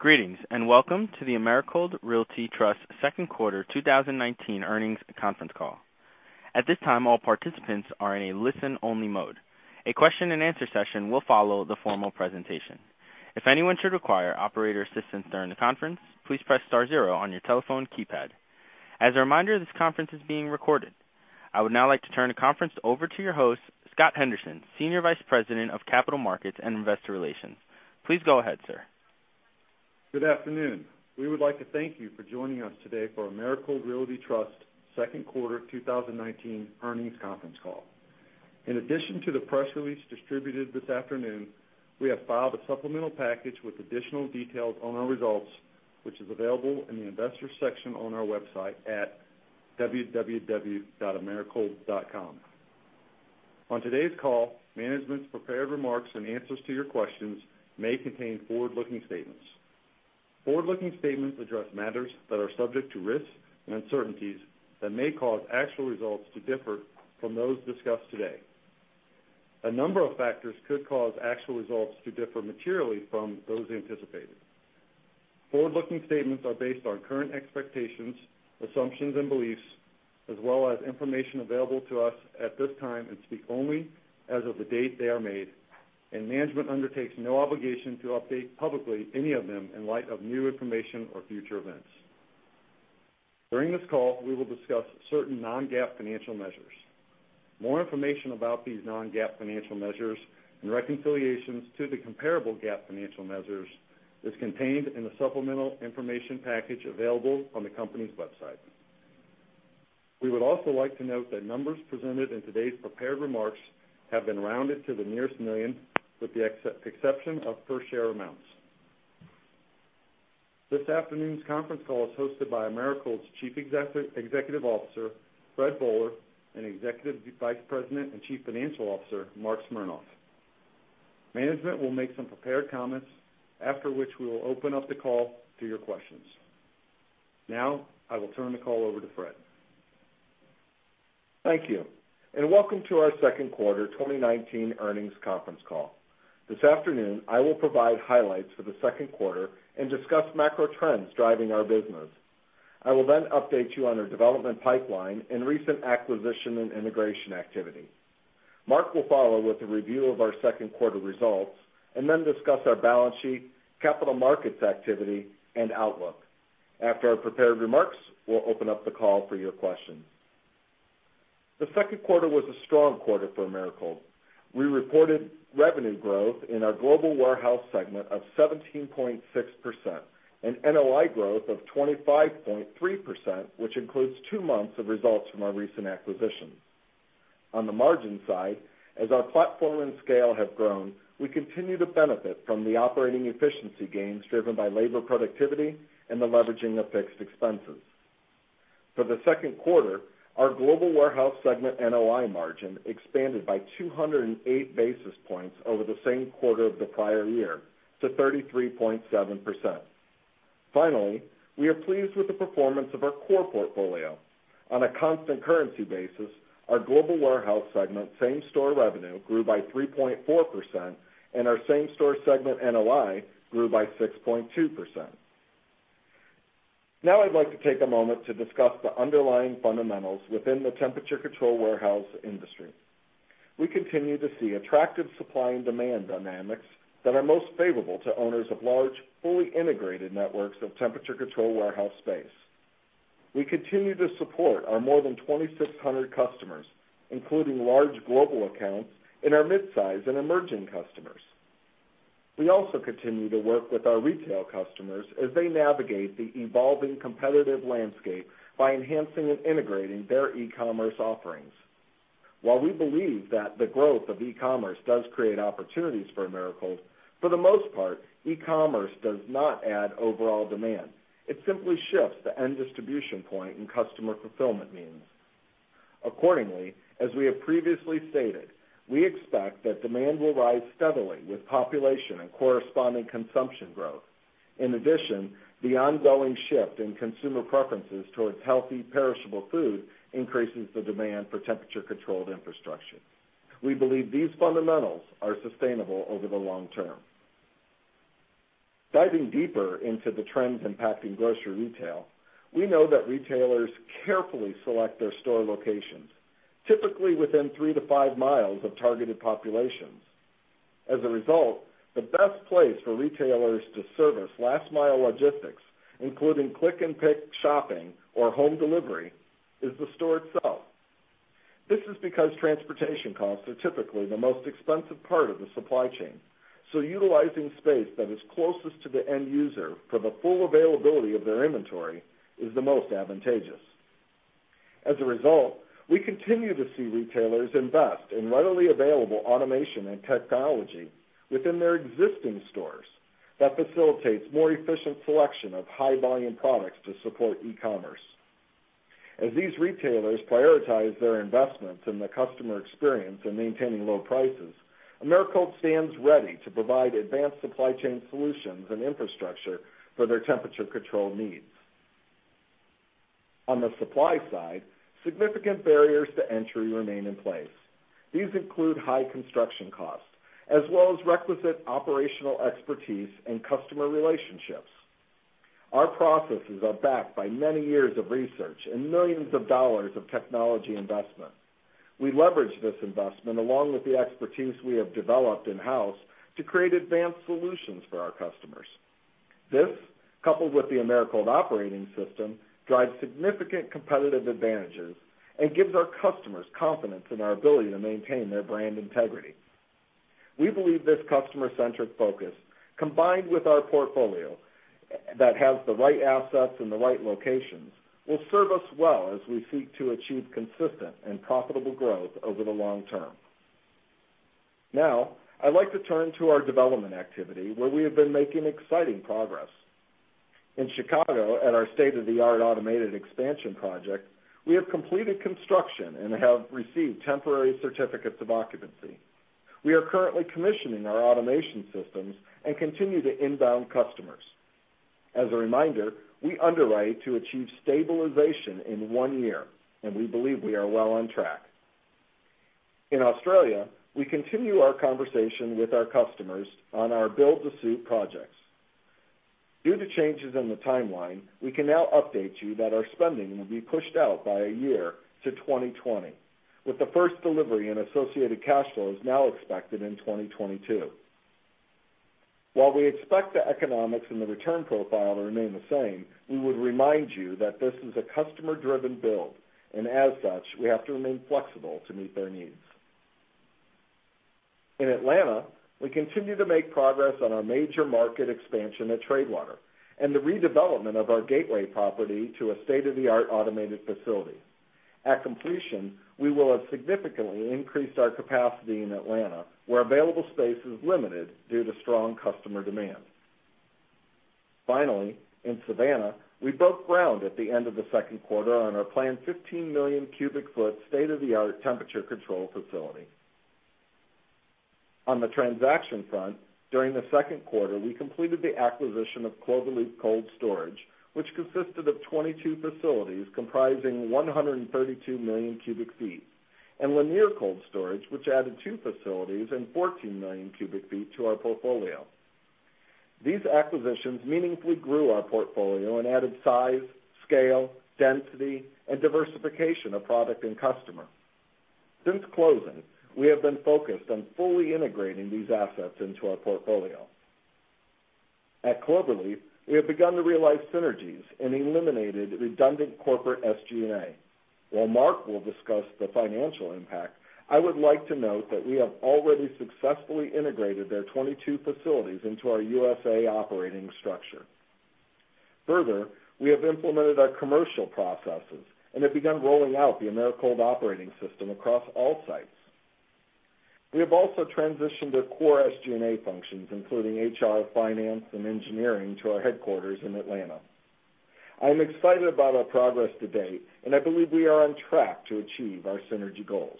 Greetings, welcome to the Americold Realty Trust second quarter 2019 earnings conference call. At this time, all participants are in a listen-only mode. A question and answer session will follow the formal presentation. If anyone should require operator assistance during the conference, please press star zero on your telephone keypad. As a reminder, this conference is being recorded. I would now like to turn the conference over to your host, Scott Henderson, Senior Vice President of Capital Markets and Investor Relations. Please go ahead, sir. Good afternoon. We would like to thank you for joining us today for Americold Realty Trust second quarter 2019 earnings conference call. In addition to the press release distributed this afternoon, we have filed a supplemental package with additional details on our results, which is available in the investors section on our website at www.americold.com. On today's call, management's prepared remarks and answers to your questions may contain forward-looking statements. Forward-looking statements address matters that are subject to risks and uncertainties that may cause actual results to differ from those discussed today. A number of factors could cause actual results to differ materially from those anticipated. Forward-looking statements are based on current expectations, assumptions, and beliefs, as well as information available to us at this time and speak only as of the date they are made, and management undertakes no obligation to update publicly any of them in light of new information or future events. During this call, we will discuss certain non-GAAP financial measures. More information about these non-GAAP financial measures and reconciliations to the comparable GAAP financial measures is contained in the supplemental information package available on the company's website. We would also like to note that numbers presented in today's prepared remarks have been rounded to the nearest million, with the exception of per share amounts. This afternoon's conference call is hosted by Americold's Chief Executive Officer, Fred Boehler, and Executive Vice President and Chief Financial Officer, Marc Smernoff. Management will make some prepared comments, after which we will open up the call to your questions. Now, I will turn the call over to Fred. Thank you, and welcome to our second quarter 2019 earnings conference call. This afternoon, I will provide highlights for the second quarter and discuss macro trends driving our business. I will then update you on our development pipeline and recent acquisition and integration activity. Marc will follow with a review of our second quarter results and then discuss our balance sheet, capital markets activity, and outlook. After our prepared remarks, we will open up the call for your questions. The second quarter was a strong quarter for Americold. We reported revenue growth in our Global Warehouse segment of 17.6% and NOI growth of 25.3%, which includes two months of results from our recent acquisitions. On the margin side, as our platform and scale have grown, we continue to benefit from the operating efficiency gains driven by labor productivity and the leveraging of fixed expenses. For the second quarter, our Global Warehouse segment NOI margin expanded by 208 basis points over the same quarter of the prior year to 33.7%. Finally, we are pleased with the performance of our core portfolio. On a constant currency basis, our Global Warehouse segment same-store revenue grew by 3.4%, and our same store segment NOI grew by 6.2%. Now I'd like to take a moment to discuss the underlying fundamentals within the temperature-controlled warehouse industry. We continue to see attractive supply and demand dynamics that are most favorable to owners of large, fully integrated networks of temperature-controlled warehouse space. We continue to support our more than 2,600 customers, including large global accounts and our midsize and emerging customers. We also continue to work with our retail customers as they navigate the evolving competitive landscape by enhancing and integrating their e-commerce offerings. While we believe that the growth of e-commerce does create opportunities for Americold, for the most part, e-commerce does not add overall demand. It simply shifts the end distribution point and customer fulfillment means. Accordingly, as we have previously stated, we expect that demand will rise steadily with population and corresponding consumption growth. In addition, the ongoing shift in consumer preferences towards healthy, perishable food increases the demand for temperature-controlled infrastructure. We believe these fundamentals are sustainable over the long term. Diving deeper into the trends impacting grocery retail, we know that retailers carefully select their store locations, typically within three to five miles of targeted populations. As a result, the best place for retailers to service last mile logistics, including click-and-collect shopping or home delivery, is the store itself. This is because transportation costs are typically the most expensive part of the supply chain, so utilizing space that is closest to the end user for the full availability of their inventory is the most advantageous. As a result, we continue to see retailers invest in readily available automation and technology within their existing stores that facilitates more efficient selection of high-volume products to support e-commerce. As these retailers prioritize their investments in the customer experience and maintaining low prices, Americold stands ready to provide advanced supply chain solutions and infrastructure for their temperature control needs. On the supply side, significant barriers to entry remain in place. These include high construction costs, as well as requisite operational expertise and customer relationships. Our processes are backed by many years of research and millions of dollars of technology investment. We leverage this investment, along with the expertise we have developed in-house, to create advanced solutions for our customers. This, coupled with the Americold Operating System, drives significant competitive advantages and gives our customers confidence in our ability to maintain their brand integrity. We believe this customer-centric focus, combined with our portfolio that has the right assets in the right locations, will serve us well as we seek to achieve consistent and profitable growth over the long term. Now, I'd like to turn to our development activity, where we have been making exciting progress. In Chicago, at our state-of-the-art automated expansion project, we have completed construction and have received temporary certificates of occupancy. We are currently commissioning our automation systems and continue to inbound customers. As a reminder, we underwrite to achieve stabilization in one year, and we believe we are well on track. In Australia, we continue our conversation with our customers on our build-to-suit projects. Due to changes in the timeline, we can now update you that our spending will be pushed out by a year to 2020, with the first delivery and associated cash flows now expected in 2022. While we expect the economics and the return profile to remain the same, we would remind you that this is a customer-driven build, and as such, we have to remain flexible to meet their needs. In Atlanta, we continue to make progress on our major market expansion at Tradewater and the redevelopment of our gateway property to a state-of-the-art automated facility. At completion, we will have significantly increased our capacity in Atlanta, where available space is limited due to strong customer demand. Finally, in Savannah, we broke ground at the end of the second quarter on our planned 15 million cubic foot state-of-the-art temperature-controlled facility. On the transaction front, during the second quarter, we completed the acquisition of Cloverleaf Cold Storage, which consisted of 22 facilities comprising 132 million cubic feet, and Lanier Cold Storage, which added two facilities and 14 million cubic feet to our portfolio. These acquisitions meaningfully grew our portfolio and added size, scale, density, and diversification of product and customer. Since closing, we have been focused on fully integrating these assets into our portfolio. At Cloverleaf, we have begun to realize synergies and eliminated redundant corporate SG&A. While Marc will discuss the financial impact, I would like to note that we have already successfully integrated their 22 facilities into our USA operating structure. Further, we have implemented our commercial processes and have begun rolling out the Americold Operating System across all sites. We have also transitioned their core SG&A functions, including HR, finance, and engineering, to our headquarters in Atlanta. I am excited about our progress to date, and I believe we are on track to achieve our synergy goals.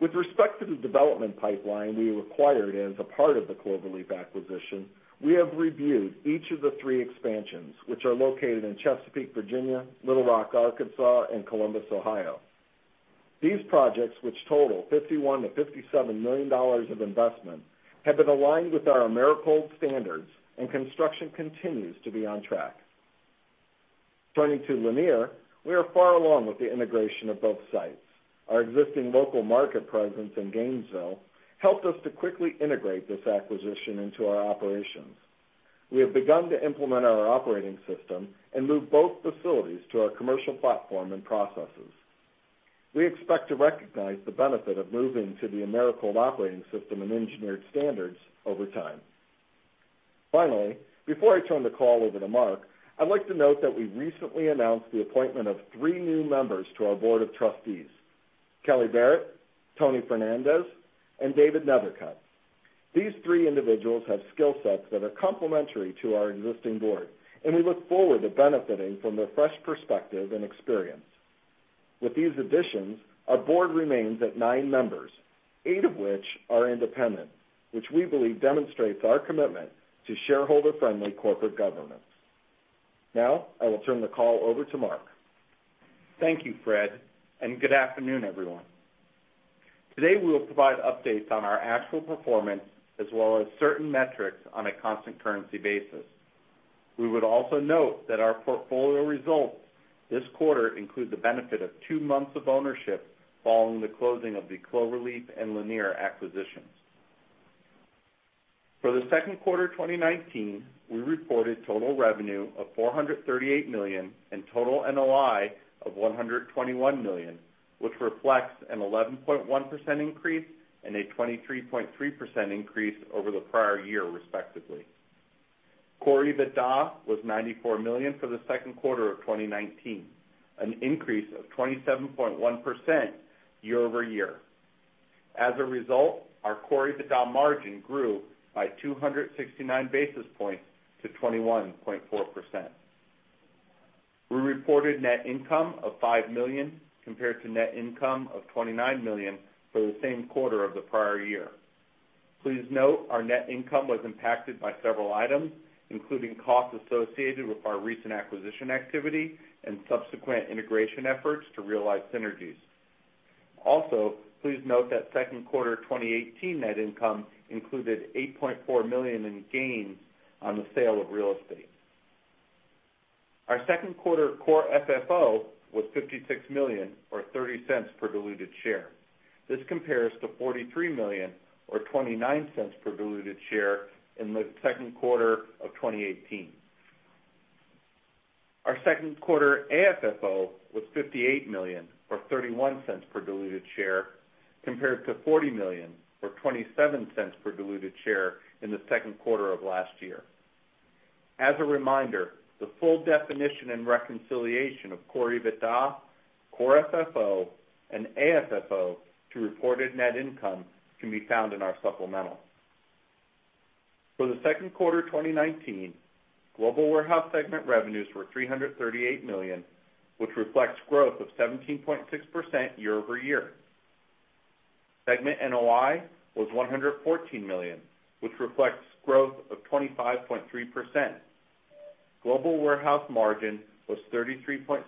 With respect to the development pipeline we acquired as a part of the Cloverleaf acquisition, we have reviewed each of the three expansions, which are located in Chesapeake, Virginia, Little Rock, Arkansas, and Columbus, Ohio. These projects, which total $51 million-$57 million of investment, have been aligned with our Americold standards, and construction continues to be on track. Turning to Lanier, we are far along with the integration of both sites. Our existing local market presence in Gainesville helped us to quickly integrate this acquisition into our operations. We have begun to implement our Americold Operating System and move both facilities to our commercial platform and processes. We expect to recognize the benefit of moving to the Americold Operating System and engineered standards over time. Finally, before I turn the call over to Marc, I'd like to note that we recently announced the appointment of three new members to our board of trustees, Kelly Barrett, Tony Fernandez, and David Neithercut. These three individuals have skill sets that are complementary to our existing board, and we look forward to benefiting from their fresh perspective and experience. With these additions, our board remains at nine members, eight of which are independent, which we believe demonstrates our commitment to shareholder-friendly corporate governance. Now, I will turn the call over to Marc. Thank you, Fred. Good afternoon, everyone. Today, we will provide updates on our actual performance as well as certain metrics on a constant currency basis. We would also note that our portfolio results this quarter include the benefit of two months of ownership following the closing of the Cloverleaf and Lanier acquisitions. For the second quarter 2019, we reported total revenue of $438 million and total NOI of $121 million, which reflects an 11.1% increase and a 23.3% increase over the prior year, respectively. Core EBITDA was $94 million for the second quarter of 2019, an increase of 27.1% year-over-year. As a result, our Core EBITDA margin grew by 269 basis points to 21.4%. We reported net income of $5 million compared to net income of $29 million for the same quarter of the prior year. Please note our net income was impacted by several items, including costs associated with our recent acquisition activity and subsequent integration efforts to realize synergies. Also, please note that second quarter 2018 net income included $8.4 million in gains on the sale of real estate. Our second quarter Core FFO was $56 million, or $0.30 per diluted share. This compares to $43 million, or $0.29 per diluted share in the second quarter of 2018. Our second quarter AFFO was $58 million, or $0.31 per diluted share, compared to $40 million or $0.27 per diluted share in the second quarter of last year. As a reminder, the full definition and reconciliation of Core EBITDA, Core FFO and AFFO to reported net income can be found in our supplemental. For the second quarter 2019, Global Warehouse segment revenues were $338 million, which reflects growth of 17.6% year-over-year. Segment NOI was $114 million, which reflects growth of 25.3%. Global Warehouse margin was 33.7%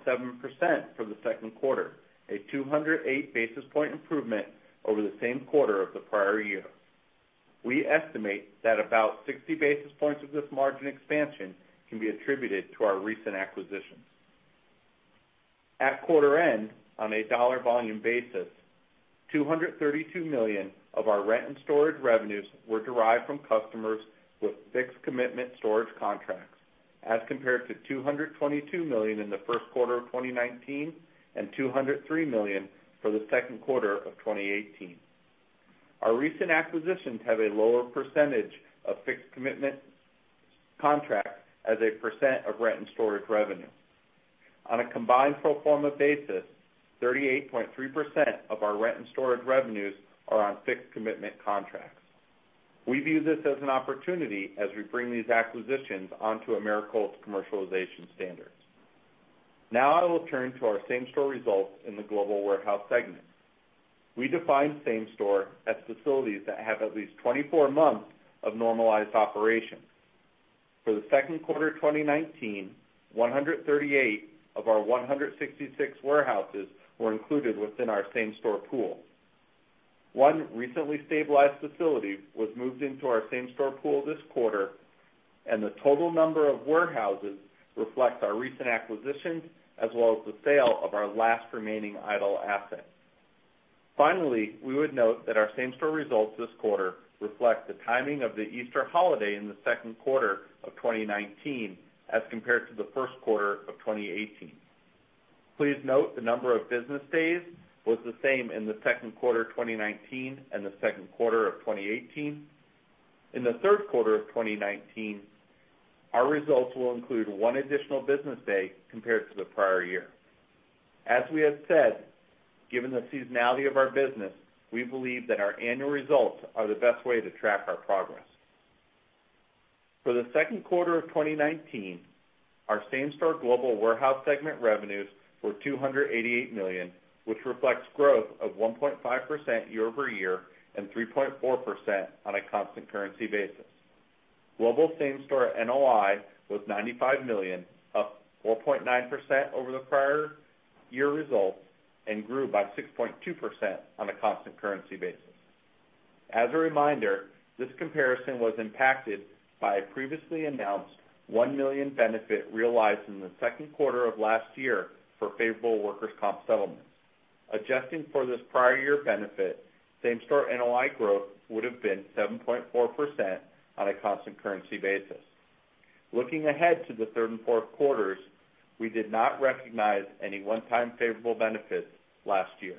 for the second quarter, a 208 basis point improvement over the same quarter of the prior year. We estimate that about 60 basis points of this margin expansion can be attributed to our recent acquisitions. At quarter end, on a dollar volume basis, $232 million of our rent and storage revenues were derived from customers with fixed commitment storage contracts, as compared to $222 million in the first quarter of 2019, and $203 million for the second quarter of 2018. Our recent acquisitions have a lower percentage of fixed commitment contracts as a percent of rent and storage revenue. On a combined pro forma basis, 38.3% of our rent and storage revenues are on fixed commitment contracts. We view this as an opportunity as we bring these acquisitions onto Americold's commercialization standards. Now I will turn to our same-store results in the Global Warehouse segment. We define same store as facilities that have at least 24 months of normalized operations. For the second quarter 2019, 138 of our 166 warehouses were included within our same-store pool. One recently stabilized facility was moved into our same-store pool this quarter, and the total number of warehouses reflects our recent acquisitions, as well as the sale of our last remaining idle asset. Finally, we would note that our same-store results this quarter reflect the timing of the Easter holiday in the second quarter of 2019 as compared to the first quarter of 2018. Please note the number of business days was the same in the second quarter 2019 and the second quarter of 2018. In the third quarter of 2019, our results will include one additional business day compared to the prior year. As we have said, given the seasonality of our business, we believe that our annual results are the best way to track our progress. For the second quarter of 2019, our same-store Global Warehouse segment revenues were $288 million, which reflects growth of 1.5% year-over-year and 3.4% on a constant currency basis. Global same-store NOI was $95 million, up 4.9% over the prior year results and grew by 6.2% on a constant currency basis. As a reminder, this comparison was impacted by a previously announced $1 million benefit realized in the second quarter of last year for favorable workers' comp settlements. Adjusting for this prior year benefit, same-store NOI growth would've been 7.4% on a constant currency basis. Looking ahead to the third and fourth quarters, we did not recognize any one-time favorable benefits last year.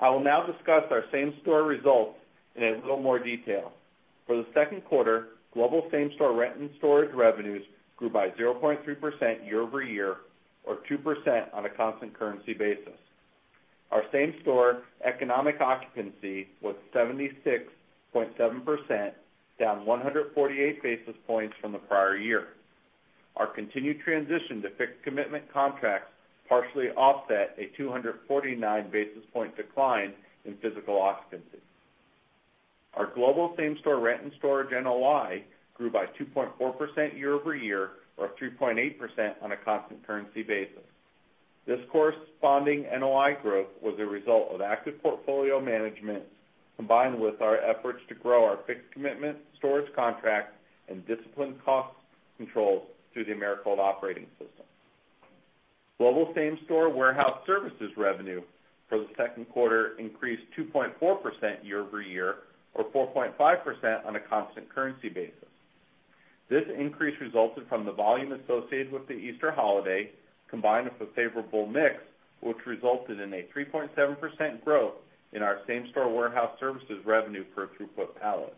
I will now discuss our same-store results in a little more detail. For the second quarter, global same-store rent and storage revenues grew by 0.3% year-over-year, or 2% on a constant currency basis. Our same-store economic occupancy was 76.7%, down 148 basis points from the prior year. Our continued transition to fixed commitment contracts partially offset a 249 basis point decline in physical occupancy. Our global same-store rent and storage NOI grew by 2.4% year-over-year, or 3.8% on a constant currency basis. This corresponding NOI growth was a result of active portfolio management, combined with our efforts to grow our fixed commitment storage contracts and disciplined cost controls through the Americold Operating System. Global same-store Warehouse services revenue for the second quarter increased 2.4% year-over-year, or 4.5% on a constant currency basis. This increase resulted from the volume associated with the Easter holiday, combined with a favorable mix, which resulted in a 3.7% growth in our same-store Warehouse services revenue per throughput pallet.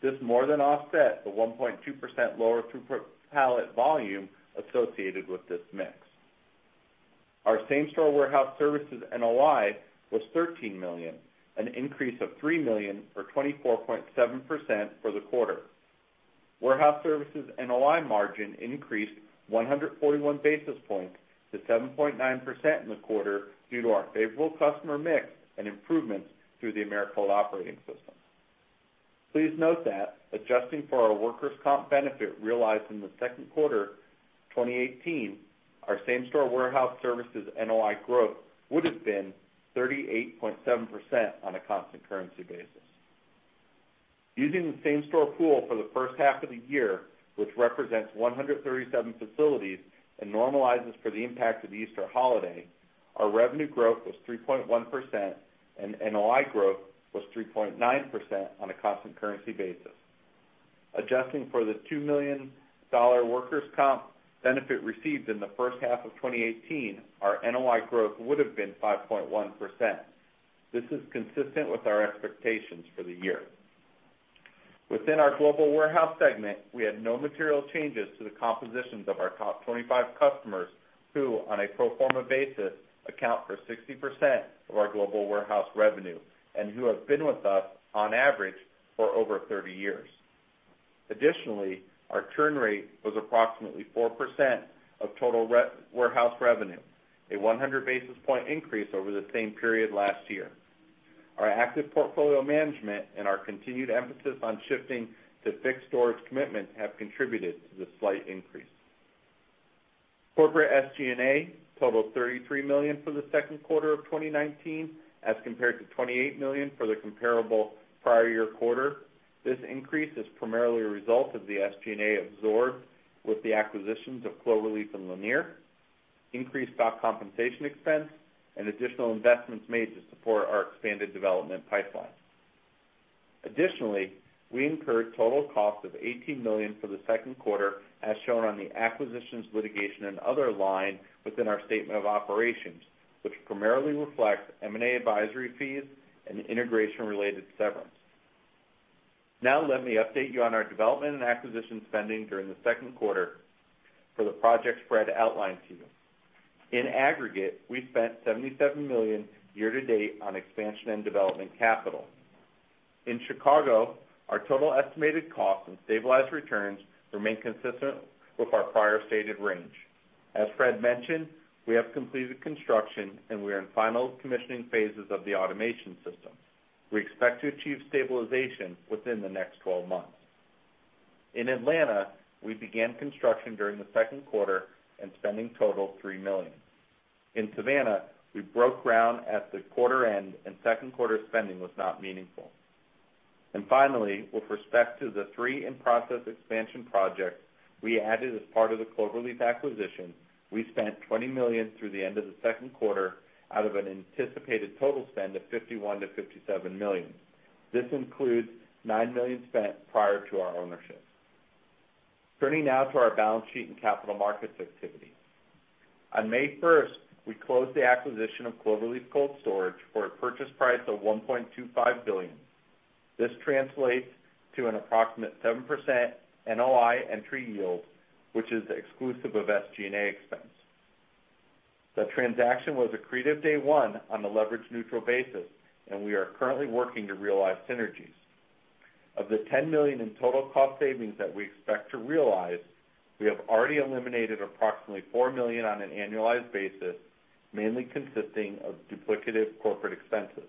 This more than offset the 1.2% lower throughput pallet volume associated with this mix. Our same-store Warehouse services NOI was $13 million, an increase of $3 million or 24.7% for the quarter. Warehouse services NOI margin increased 141 basis points to 7.9% in the quarter due to our favorable customer mix and improvements through the Americold Operating System. Please note that adjusting for our workers' comp benefit realized in the second quarter 2018, our same-store warehouse services NOI growth would've been 38.7% on a constant currency basis. Using the same store pool for the first half of the year, which represents 137 facilities and normalizes for the impact of the Easter holiday, our revenue growth was 3.1% and NOI growth was 3.9% on a constant currency basis. Adjusting for the $2 million workers' comp benefit received in the first half of 2018, our NOI growth would've been 5.1%. This is consistent with our expectations for the year. Within our Global Warehouse segment, we had no material changes to the compositions of our top 25 customers, who, on a pro forma basis, account for 60% of our global warehouse revenue, and who have been with us on average for over 30 years. Additionally, our churn rate was approximately 4% of total warehouse revenue, a 100 basis point increase over the same period last year. Our active portfolio management and our continued emphasis on shifting to fixed storage commitment have contributed to the slight increase. Corporate SG&A totaled $33 million for the second quarter of 2019 as compared to $28 million for the comparable prior year quarter. This increase is primarily a result of the SG&A absorbed with the acquisitions of Cloverleaf and Lanier, increased stock compensation expense, and additional investments made to support our expanded development pipeline. Additionally, we incurred total cost of $18 million for the second quarter, as shown on the acquisitions litigation and other line within our statement of operations, which primarily reflects M&A advisory fees and integration-related severance. Let me update you on our development and acquisition spending during the second quarter for the project spread outlined to you. In aggregate, we spent $77 million year to date on expansion and development capital. In Chicago, our total estimated cost and stabilized returns remain consistent with our prior stated range. As Fred mentioned, we have completed construction, and we are in final commissioning phases of the automation system. We expect to achieve stabilization within the next 12 months. In Atlanta, we began construction during the second quarter, and spending totaled $3 million. In Savannah, we broke ground at the quarter end. Second quarter spending was not meaningful. Finally, with respect to the three in-process expansion projects we added as part of the Cloverleaf acquisition, we spent $20 million through the end of the second quarter out of an anticipated total spend of $51 million-$57 million. This includes $9 million spent prior to our ownership. Turning now to our balance sheet and capital markets activity. On May 1st, we closed the acquisition of Cloverleaf Cold Storage for a purchase price of $1.25 billion. This translates to an approximate 7% NOI entry yield, which is exclusive of SG&A expense. The transaction was accretive day one on a leverage-neutral basis, and we are currently working to realize synergies. Of the $10 million in total cost savings that we expect to realize, we have already eliminated approximately $4 million on an annualized basis, mainly consisting of duplicative corporate expenses.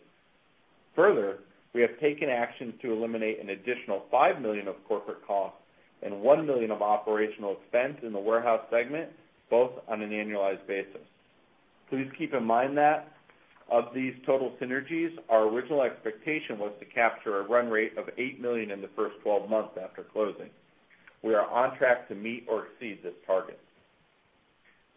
Further, we have taken actions to eliminate an additional $5 million of corporate costs and $1 million of operational expense in the Warehouse segment, both on an annualized basis. Please keep in mind that of these total synergies, our original expectation was to capture a run rate of $8 million in the first 12 months after closing. We are on track to meet or exceed this target.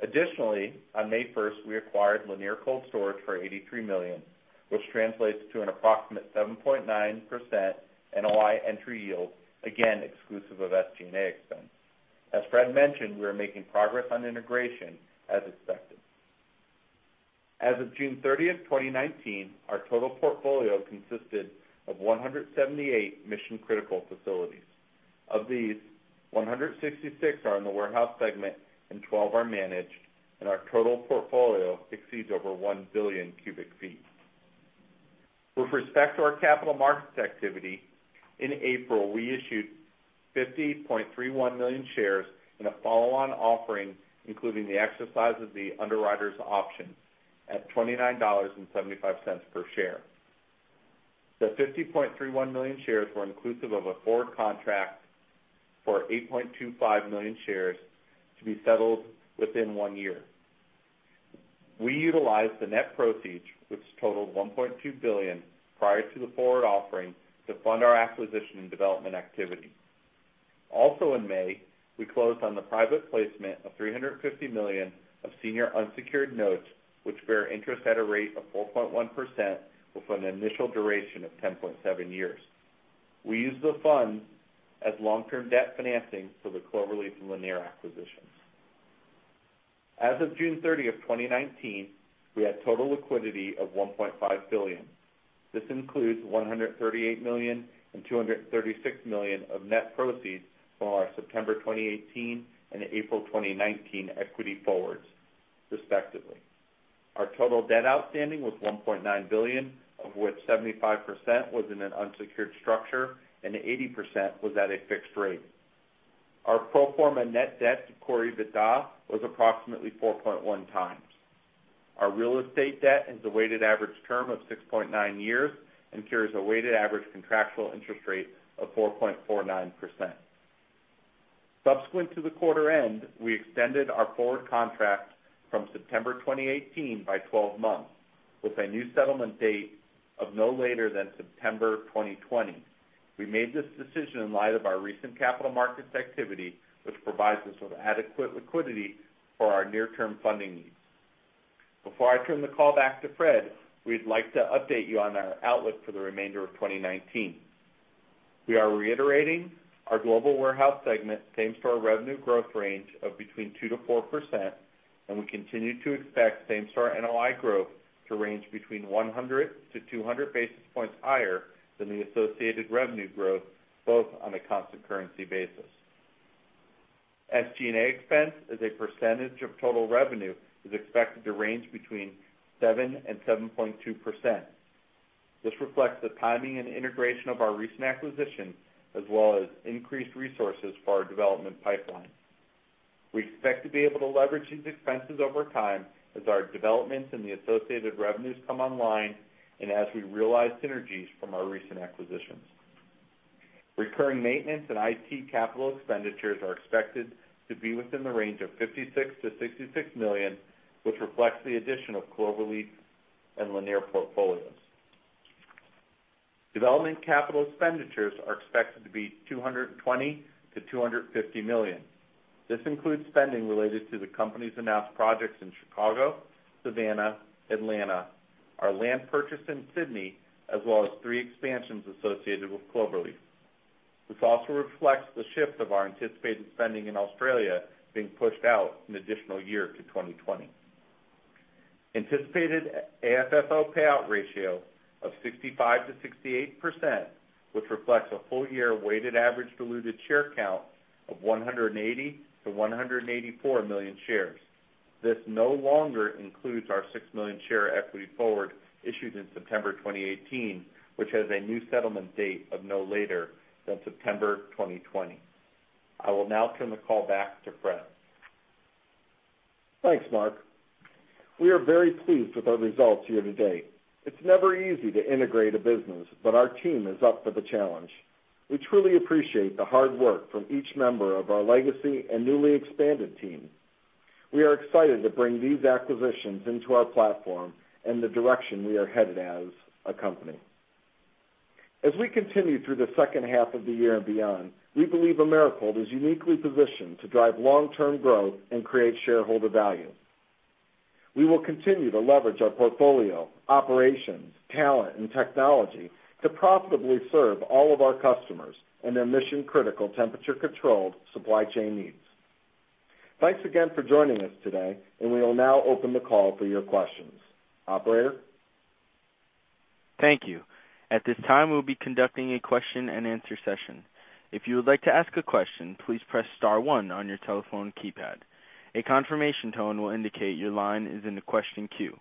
Additionally, on May 1st, we acquired Lanier Cold Storage for $83 million, which translates to an approximate 7.9% NOI entry yield, again, exclusive of SG&A expense. As Fred mentioned, we are making progress on integration as expected. As of June 30th, 2019, our total portfolio consisted of 178 mission-critical facilities. Of these, 166 are in the warehouse segment and 12 are managed, and our total portfolio exceeds over 1 billion cubic feet. With respect to our capital markets activity, in April, we issued 50.31 million shares in a follow-on offering, including the exercise of the underwriter's option at $29.75 per share. The 50.31 million shares were inclusive of a forward contract for 8.25 million shares to be settled within one year. We utilized the net proceeds, which totaled $1.2 billion, prior to the forward offering, to fund our acquisition and development activity. Also in May, we closed on the private placement of $350 million of senior unsecured notes which bear interest at a rate of 4.1% with an initial duration of 10.7 years. We used the funds as long-term debt financing for the Cloverleaf and Lanier acquisitions. As of June 30th, 2019, we had total liquidity of $1.5 billion. This includes $138 million and $236 million of net proceeds from our September 2018 and April 2019 equity forwards respectively. Our total debt outstanding was $1.9 billion, of which 75% was in an unsecured structure and 80% was at a fixed rate. Our pro forma net debt to Core EBITDA was approximately 4.1 times. Our real estate debt has a weighted average term of 6.9 years and carries a weighted average contractual interest rate of 4.49%. Subsequent to the quarter end, we extended our forward contract from September 2018 by 12 months, with a new settlement date of no later than September 2020. We made this decision in light of our recent capital markets activity, which provides us with adequate liquidity for our near-term funding needs. Before I turn the call back to Fred, we'd like to update you on our outlook for the remainder of 2019. We are reiterating our Global Warehouse segment same store revenue growth range of between 2%-4%, we continue to expect same store NOI growth to range between 100 to 200 basis points higher than the associated revenue growth, both on a constant currency basis. SG&A expense as a percentage of total revenue is expected to range between 7% and 7.2%. This reflects the timing and integration of our recent acquisition, as well as increased resources for our development pipeline. We expect to be able to leverage these expenses over time as our developments and the associated revenues come online and as we realize synergies from our recent acquisitions. Recurring maintenance and IT capital expenditures are expected to be within the range of $56 million-$66 million, which reflects the addition of Cloverleaf and Lanier portfolios. Development capital expenditures are expected to be $220 million-$250 million. This includes spending related to the company's announced projects in Chicago, Savannah, Atlanta, our land purchase in Sydney, as well as three expansions associated with Cloverleaf. This also reflects the shift of our anticipated spending in Australia being pushed out an additional year to 2020. Anticipated AFFO payout ratio of 65%-68%, which reflects a full-year weighted average diluted share count of 180 million-184 million shares. This no longer includes our 6 million share equity forward issued in September 2018, which has a new settlement date of no later than September 2020. I will now turn the call back to Fred. Thanks, Marc. We are very pleased with our results year-to-date. It's never easy to integrate a business, but our team is up for the challenge. We truly appreciate the hard work from each member of our legacy and newly expanded team. We are excited to bring these acquisitions into our platform and the direction we are headed as a company. As we continue through the second half of the year and beyond, we believe Americold is uniquely positioned to drive long-term growth and create shareholder value. We will continue to leverage our portfolio, operations, talent, and technology to profitably serve all of our customers and their mission-critical temperature-controlled supply chain needs. Thanks again for joining us today. We will now open the call for your questions. Operator? Thank you. At this time, we'll be conducting a question and answer session. If you would like to ask a question, please press *1 on your telephone keypad. A confirmation tone will indicate your line is in the question queue.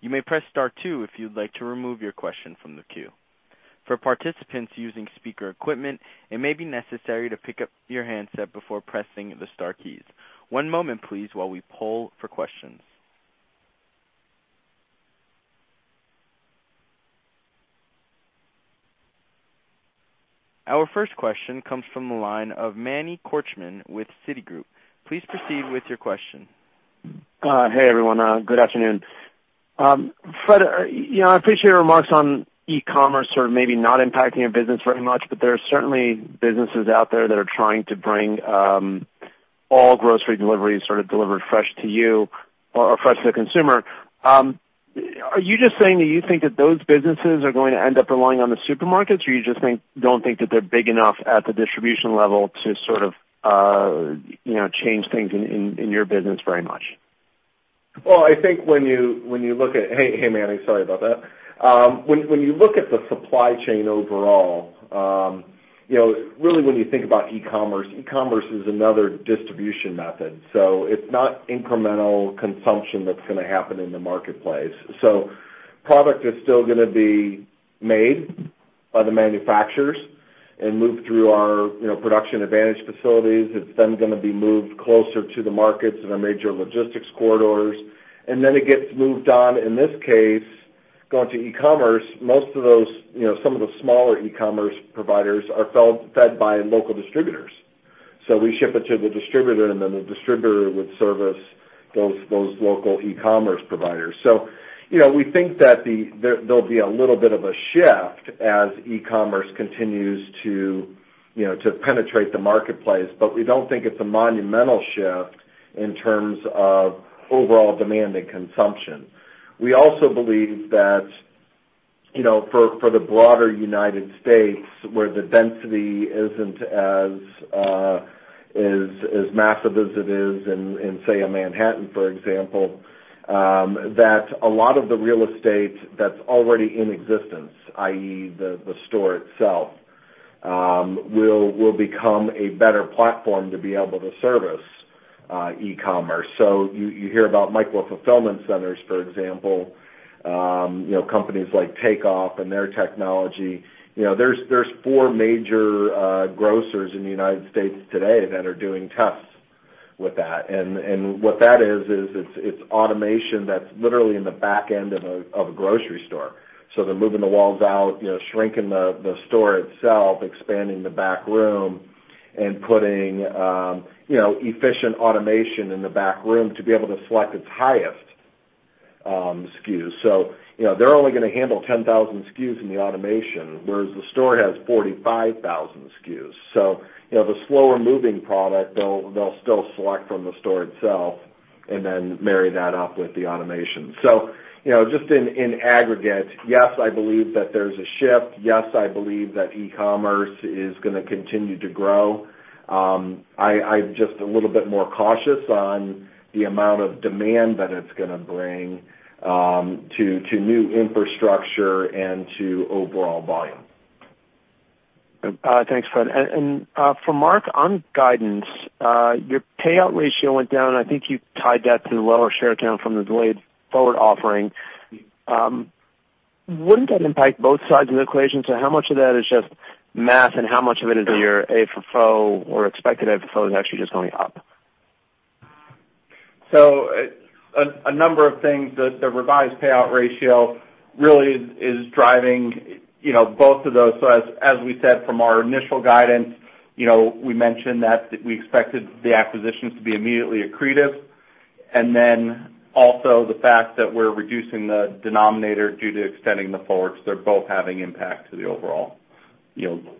You may press *2 if you'd like to remove your question from the queue. For participants using speaker equipment, it may be necessary to pick up your handset before pressing the star keys. One moment, please, while we poll for questions. Our first question comes from the line of Emmanuel Korchman with Citigroup. Please proceed with your question. Hey, everyone. Good afternoon. Fred, I appreciate your remarks on e-commerce sort of maybe not impacting your business very much, but there are certainly businesses out there that are trying to bring all grocery deliveries sort of delivered fresh to you or fresh to the consumer. Are you just saying that you think that those businesses are going to end up relying on the supermarkets, or you just don't think that they're big enough at the distribution level to sort of change things in your business very much? Hey, Manny. Sorry about that. When you look at the supply chain overall, really when you think about e-commerce, e-commerce is another distribution method. It's not incremental consumption that's going to happen in the marketplace. Product is still going to be made by the manufacturers and move through our production advantaged facilities. It's then going to be moved closer to the markets in our major logistics corridors, it gets moved on. In this case, going to e-commerce, some of the smaller e-commerce providers are fed by local distributors. We ship it to the distributor, the distributor would service those local e-commerce providers. We think that there'll be a little bit of a shift as e-commerce continues to penetrate the marketplace, but we don't think it's a monumental shift in terms of overall demand and consumption. We also believe that for the broader U.S., where the density isn't as massive as it is in, say, a Manhattan, for example, that a lot of the real estate that's already in existence, i.e., the store itself will become a better platform to be able to service e-commerce. You hear about micro-fulfillment centers, for example, companies like Takeoff and their technology. There's four major grocers in the U.S. today that are doing tests with that. What that is it's automation that's literally in the back end of a grocery store. They're moving the walls out, shrinking the store itself, expanding the back room and putting efficient automation in the back room to be able to select its highest SKUs. They're only going to handle 10,000 SKUs in the automation, whereas the store has 45,000 SKUs. The slower-moving product, they'll still select from the store itself and then marry that up with the automation. Just in aggregate, yes, I believe that there's a shift. Yes, I believe that e-commerce is going to continue to grow. I'm just a little bit more cautious on the amount of demand that it's going to bring to new infrastructure and to overall volume. Thanks, Fred. For Marc, on guidance, your payout ratio went down. I think you tied that to the lower share count from the delayed forward offering. Wouldn't that impact both sides of the equation? How much of that is just math and how much of it is your AFFO or expected AFFO is actually just going up? A number of things. The revised payout ratio really is driving both of those. As we said from our initial guidance, we mentioned that we expected the acquisitions to be immediately accretive, and then also the fact that we're reducing the denominator due to extending the forwards. They're both having impact to the overall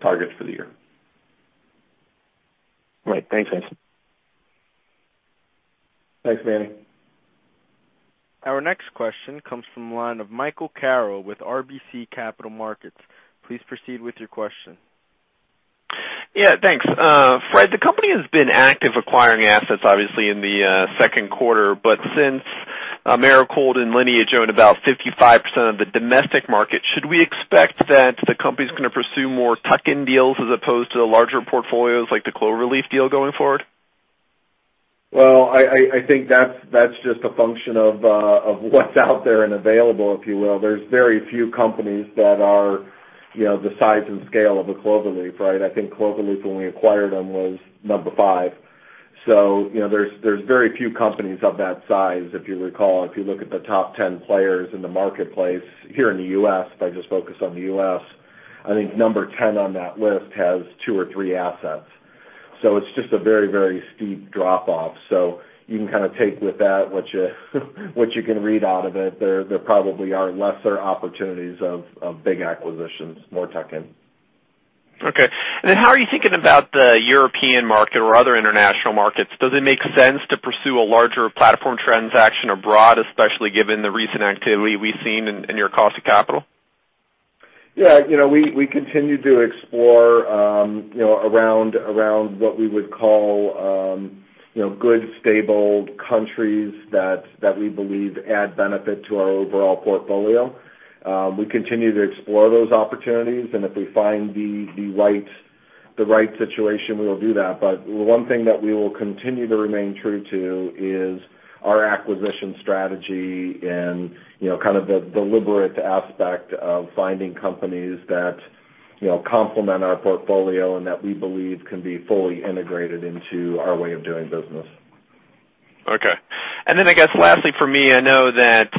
targets for the year. Right. Thanks, Jason. Thanks, Manny. Our next question comes from the line of Michael Carroll with RBC Capital Markets. Please proceed with your question. Yeah. Thanks. Fred, since Americold and Lineage own about 55% of the domestic market, should we expect that the company's going to pursue more tuck-in deals as opposed to larger portfolios like the Cloverleaf deal going forward? Well, I think that's just a function of what's out there and available, if you will. There's very few companies that are the size and scale of a Cloverleaf, right? I think Cloverleaf, when we acquired them, was number 5. There's very few companies of that size. If you recall, if you look at the top 10 players in the marketplace here in the U.S., if I just focus on the U.S., I think number 10 on that list has two or three assets. It's just a very, very steep drop-off. You can kind of take with that what you can read out of it. There probably are lesser opportunities of big acquisitions, more tuck-in. Okay. How are you thinking about the European market or other international markets? Does it make sense to pursue a larger platform transaction abroad, especially given the recent activity we've seen in your cost of capital? Yeah. We continue to explore around what we would call good, stable countries that we believe add benefit to our overall portfolio. We continue to explore those opportunities, and if we find the right situation, we will do that. One thing that we will continue to remain true to is our acquisition strategy and kind of the deliberate aspect of finding companies that complement our portfolio and that we believe can be fully integrated into our way of doing business. Okay. I guess lastly from me, I know that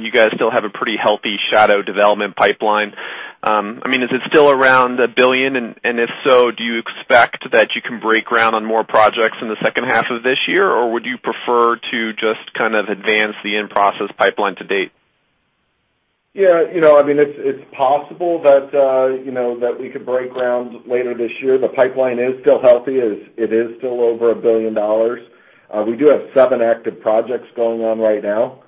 you guys still have a pretty healthy shadow development pipeline. Is it still around $1 billion? If so, do you expect that you can break ground on more projects in the second half of this year? Would you prefer to just kind of advance the in-process pipeline to date? Yeah. It's possible that we could break ground later this year. The pipeline is still healthy. It is still over $1 billion. We do have seven active projects going on right now,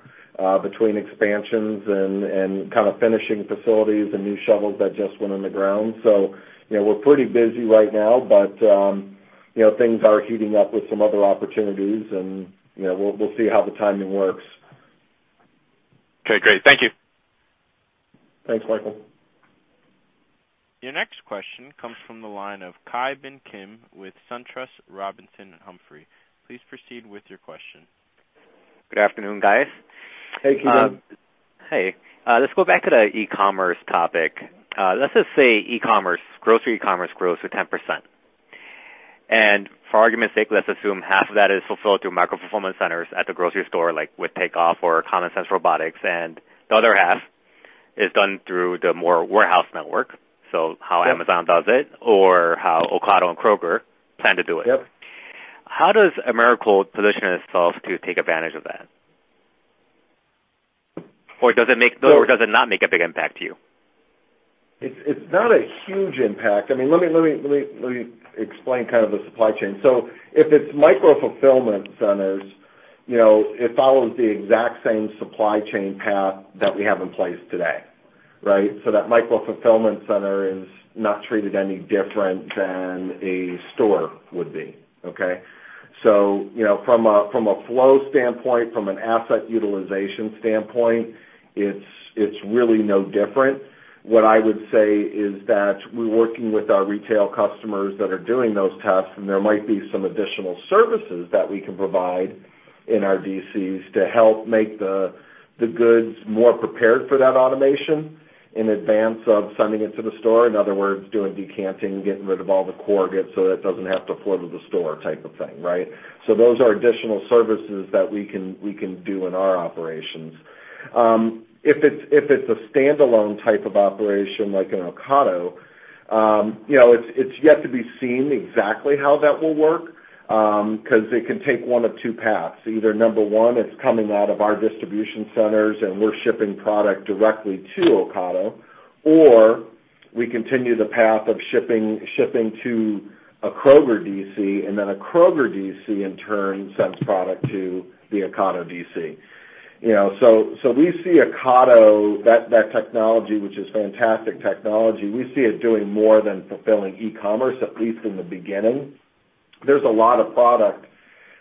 between expansions and kind of finishing facilities and new shovels that just went in the ground. We're pretty busy right now, but things are heating up with some other opportunities, and we'll see how the timing works. Okay, great. Thank you. Thanks, Michael. Your next question comes from the line of Ki Bin Kim with SunTrust Robinson Humphrey. Please proceed with your question. Good afternoon, guys. Hey, Ki. Hey. Let's go back to the e-commerce topic. Let's just say grocery e-commerce grows to 10%. For argument's sake, let's assume half of that is fulfilled through micro-fulfillment centers at the grocery store, like with Takeoff or Common Sense Robotics, and the other half is done through the more warehouse network, so how Amazon does it or how Ocado and Kroger plan to do it. Yep. How does Americold position itself to take advantage of that? Or does it not make a big impact to you? It's not a huge impact. Let me explain the supply chain. If it's micro-fulfillment centers, it follows the exact same supply chain path that we have in place today, right? That micro-fulfillment center is not treated any different than a store would be. From a flow standpoint, from an asset utilization standpoint, it's really no different. What I would say is that we're working with our retail customers that are doing those tests, and there might be some additional services that we can provide in our DCs to help make the goods more prepared for that automation in advance of sending it to the store. In other words, doing decanting, getting rid of all the corrugate so that it doesn't have to flow to the store type of thing, right? Those are additional services that we can do in our operations. If it's a standalone type of operation, like an Ocado, it's yet to be seen exactly how that will work. Because it can take one of two paths. Either number one, it's coming out of our distribution centers, and we're shipping product directly to Ocado, or we continue the path of shipping to a Kroger DC, and then a Kroger DC in turn sends product to the Ocado DC. We see Ocado, that technology, which is fantastic technology, we see it doing more than fulfilling e-commerce, at least in the beginning. There's a lot of product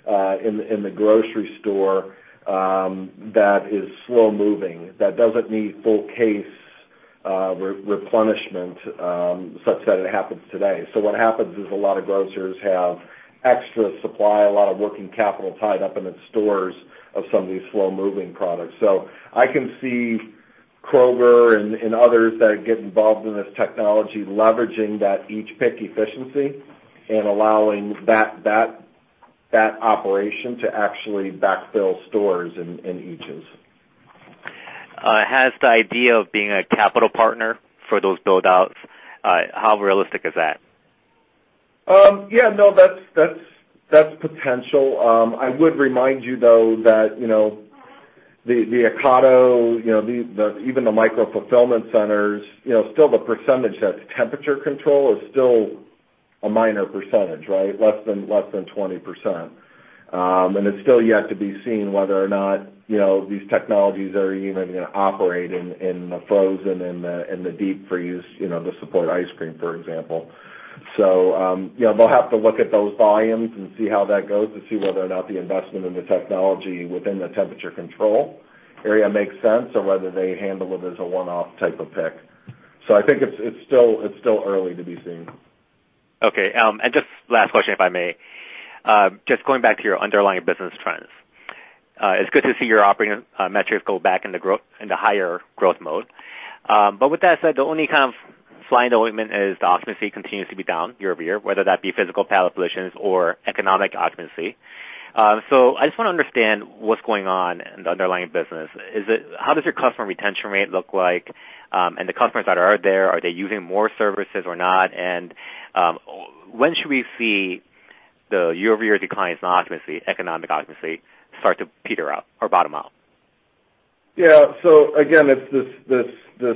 in the grocery store that is slow-moving, that doesn't need full case replenishment such that it happens today. What happens is a lot of grocers have extra supply, a lot of working capital tied up in its stores of some of these slow-moving products. I can see Kroger and others that get involved in this technology leveraging that each pick efficiency and allowing that operation to actually backfill stores in each of those. Has the idea of being a capital partner for those build-outs, how realistic is that? Yeah, no, that's potential. I would remind you, though, that the Ocado, even the micro-fulfillment centers, still the percentage that's temperature control is still a minor percentage, right? Less than 20%. It's still yet to be seen whether or not these technologies are even going to operate in the frozen and the deep freeze to support ice cream, for example. We'll have to look at those volumes and see how that goes to see whether or not the investment in the technology within the temperature control area makes sense or whether they handle it as a one-off type of pick. I think it's still early to be seen. Okay. Just last question, if I may. Just going back to your underlying business trends. It's good to see your operating metrics go back into higher growth mode. With that said, the only kind of flying ointment is the occupancy continues to be down year-over-year, whether that be physical pallet positions or economic occupancy. I just want to understand what's going on in the underlying business. How does your customer retention rate look like? The customers that are there, are they using more services or not? When should we see the year-over-year declines in occupancy, economic occupancy, start to peter out or bottom out? Yeah. Again, this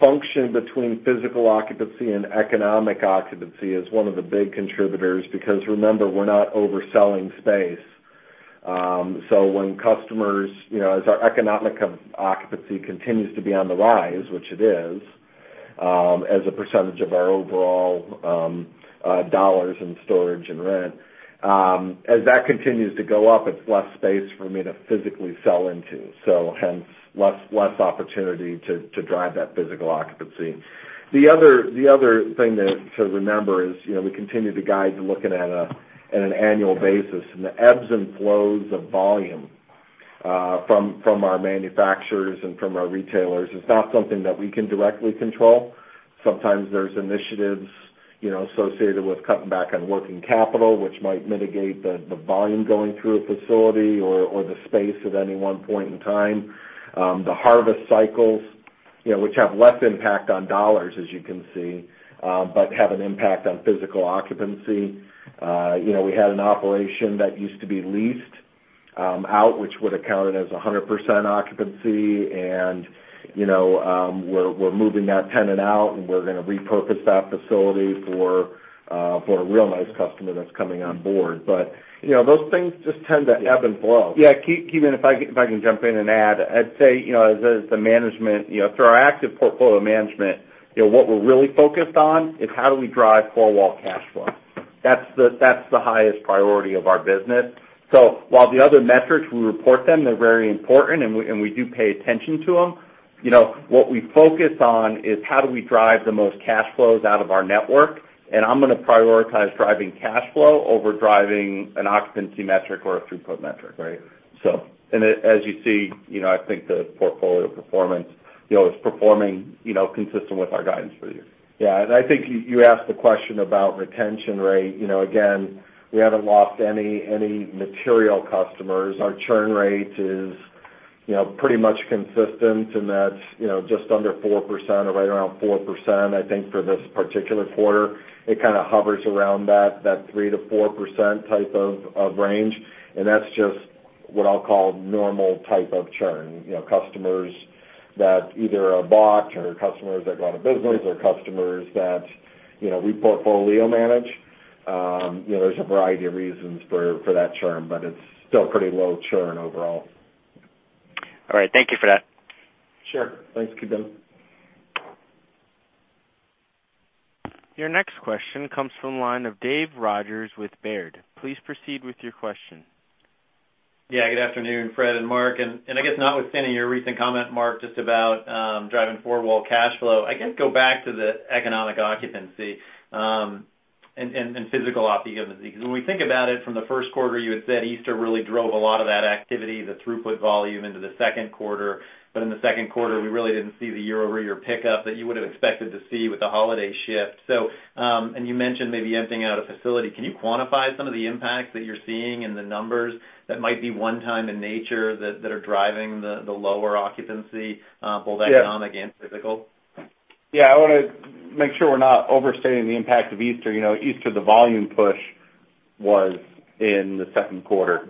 function between physical occupancy and economic occupancy is one of the big contributors because remember, we are not overselling space. When customers, as our economic occupancy continues to be on the rise, which it is, as a percentage of our overall dollars in storage and rent, as that continues to go up, it is less space for me to physically sell into, so hence, less opportunity to drive that physical occupancy. The other thing to remember is we continue to guide to looking at an annual basis and the ebbs and flows of volume from our manufacturers and from our retailers is not something that we can directly control. Sometimes there is initiatives associated with cutting back on working capital, which might mitigate the volume going through a facility or the space at any one point in time. The harvest cycles, which have less impact on $, as you can see, but have an impact on physical occupancy. We had an operation that used to be leased out, which would have counted as 100% occupancy. We're moving that tenant out, and we're going to repurpose that facility for a real nice customer that's coming on board. Those things just tend to ebb and flow. Ki Bin, if I can jump in and add. I'd say, as a management, through our active portfolio management, what we're really focused on is how do we drive four-wall cash flow. That's the highest priority of our business. While the other metrics, we report them, they're very important, and we do pay attention to them. What we focus on is how do we drive the most cash flows out of our network, and I'm going to prioritize driving cash flow over driving an occupancy metric or a throughput metric, right? As you see, I think the portfolio performance, is performing consistent with our guidance for the year. Yeah. I think you asked the question about retention rate. Again, we haven't lost any material customers. Our churn rate is pretty much consistent, that's just under 4% or right around 4%, I think, for this particular quarter. It kind of hovers around that 3% to 4% type of range. That's just what I'll call normal type of churn. Customers that either are bought or customers that go out of business or customers that we portfolio manage. There's a variety of reasons for that churn, it's still pretty low churn overall. All right. Thank you for that. Sure. Thanks, Ki Bin. Your next question comes from the line of David Rodgers with Baird. Please proceed with your question. Yeah. Good afternoon, Fred and Marc. I guess notwithstanding your recent comment, Marc, just about driving four-wall cash flow, I guess go back to the economic occupancy and physical occupancy. When we think about it from the first quarter, you had said Easter really drove a lot of that activity, the throughput volume into the second quarter, but in the second quarter, we really didn't see the year-over-year pickup that you would've expected to see with the holiday shift. You mentioned maybe emptying out a facility. Can you quantify some of the impacts that you're seeing in the numbers that might be one-time in nature that are driving the lower occupancy, both economic and physical? I want to make sure we're not overstating the impact of Easter. Easter, the volume push was in the second quarter.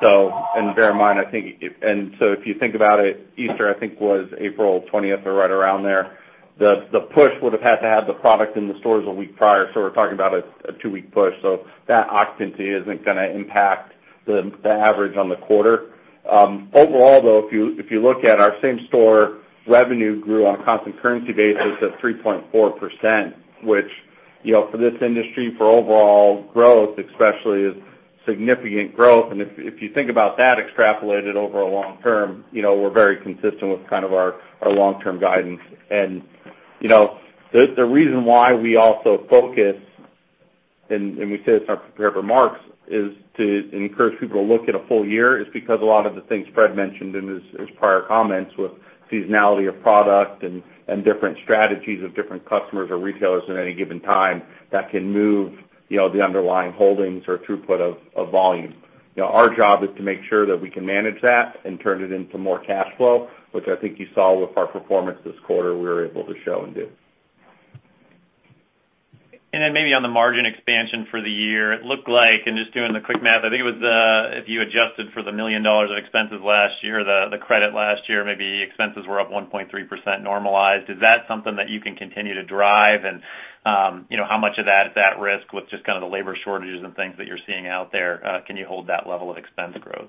If you think about it, Easter, I think, was April 20th or right around there. The push would have had to have the product in the stores a week prior, so we're talking about a two-week push. That occupancy isn't going to impact the average on the quarter. Overall, though, if you look at our same store revenue grew on a constant currency basis of 3.4%, which for this industry, for overall growth especially, is significant growth, and if you think about that extrapolated over a long term, we're very consistent with kind of our long-term guidance. The reason why we also focus, and we said it in our prepared remarks, is to encourage people to look at a full year is because a lot of the things Fred mentioned in his prior comments with seasonality of product and different strategies of different customers or retailers at any given time, that can move the underlying holdings or throughput of volume. Our job is to make sure that we can manage that and turn it into more cash flow, which I think you saw with our performance this quarter, we were able to show and do. Then maybe on the margin expansion for the year, it looked like, just doing the quick math, I think it was if you adjusted for the $1 million of expenses last year, the credit last year, maybe expenses were up 1.3% normalized. Is that something that you can continue to drive? How much of that is at risk with just kind of the labor shortages and things that you're seeing out there? Can you hold that level of expense growth?